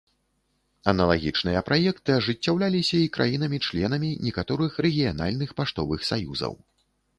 Аналагічныя праекты ажыццяўляліся і краінамі-членамі некаторых рэгіянальных паштовых саюзаў.